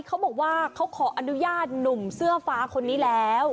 เขาบอกว่าเขาขออนุญาตหนุ่มเสื้อฟ้าคนนี้แล้ว